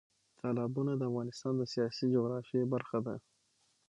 تالابونه د افغانستان د سیاسي جغرافیه برخه ده.